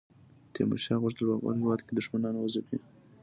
تیمورشاه غوښتل په خپل هیواد کې دښمنان وځپي.